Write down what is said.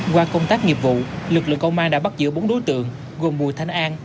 qua công tác nghiệp vụ lực lượng công an đã bắt giữ bốn đối tượng gồm bùi thanh an